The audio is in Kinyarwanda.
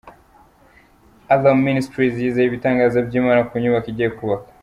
Alarm Ministries yizeye ibitangaza by'Imana ku nyubako igiye kubaka.